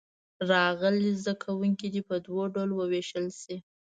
راغلي زده کوونکي دې په دوو ډلو ووېشل شي.